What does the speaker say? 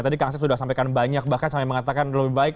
tadi kang asep sudah sampaikan banyak bahkan sampai mengatakan lebih baik